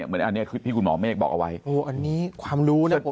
เหมือนอันนี้ที่คุณหมอเมฆบอกเอาไว้